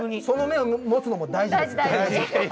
その目を持つのも大事です。